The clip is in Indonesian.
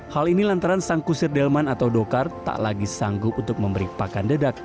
hal ini lantaran sang kusir delman atau dokar tak lagi sanggup untuk memberi pakan dedak